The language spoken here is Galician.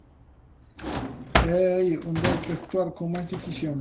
E é aí onde hai que actuar con máis decisión.